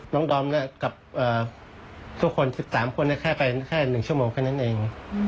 น้องดอมเนี่ยกับทุกคน๑๓คนเนี่ยแค่ไปแค่๑ชั่วโมงแค่นั้นเอง